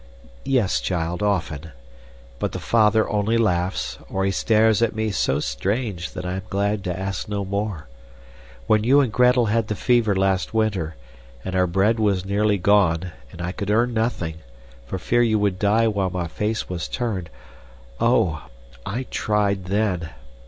"Yes, child, often. But the father only laughs, or he stares at me so strange that I am glad to ask no more. When you and Gretel had the fever last winter, and our bread was nearly gone, and I could earn nothing, for fear you would die while my face was turned, oh! I tried then!